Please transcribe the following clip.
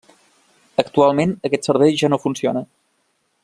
Actualment, aquest servei ja no funciona.